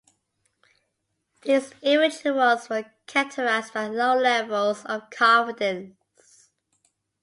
These individuals were characterised by low levels of confidence.